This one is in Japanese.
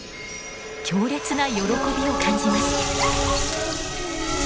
強烈な喜びを感じます。